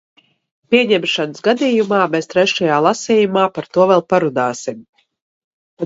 Pieņemšanas gadījumā mēs trešajā lasījumā par to vēl parunāsim.